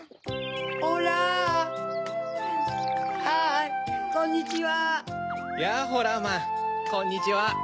ハイこんにちは！